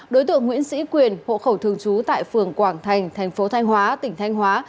đối tượng nguyễn sĩ quyền hộ khẩu thường trú tại phường quảng thành thành phố thanh hóa tỉnh thanh hóa